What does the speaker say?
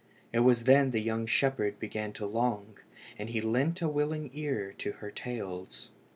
It was then the young shepherd began to long, and he lent a willing ear to her tales.